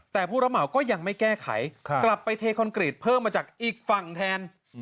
แต่ผู้รับเหมาก็ยังไม่แก้ไขกลับไปเทคอนกรีตเพิ่มมาจากอีกฝั่งแทน